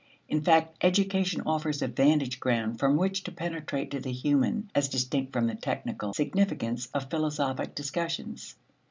In fact, education offers a vantage ground from which to penetrate to the human, as distinct from the technical, significance of philosophic discussions.